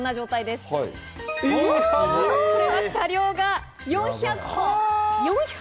すごい！車両が４００個。